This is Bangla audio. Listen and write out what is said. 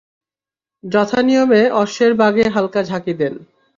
যথা নিয়মে অশ্বের বাগে হালকা ঝাঁকি দেন।